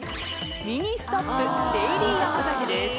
ミニストップデイリーヤマザキです。